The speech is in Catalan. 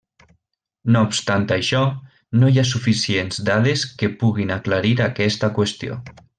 No obstant això, no hi ha suficients dades que puguin aclarir aquesta qüestió.